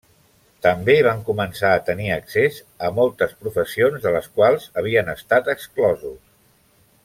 També van començar a tenir accés a moltes professions de les quals havien estat exclosos.